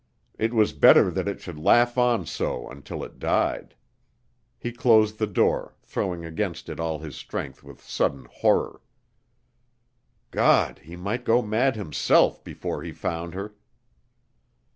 It was better that it should laugh on so until it died. He closed the door, throwing against it all his strength with sudden horror. God, he might go mad himself before he found her!